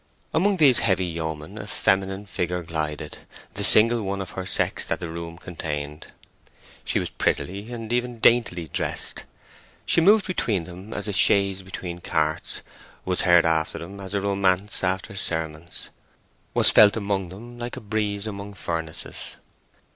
Among these heavy yeomen a feminine figure glided, the single one of her sex that the room contained. She was prettily and even daintily dressed. She moved between them as a chaise between carts, was heard after them as a romance after sermons, was felt among them like a breeze among furnaces.